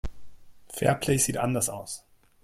Fairplay sieht anders aus.